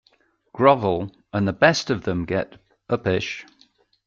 Grovel, and the best of them get uppish.